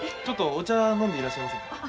ちょっとお茶飲んでいらっしゃいませんか。